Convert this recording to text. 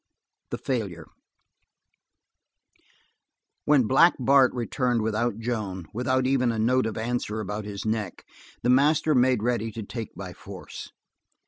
The Failure When Black Bart returned without Joan, without even a note of answer about his neck, the master made ready to take by force.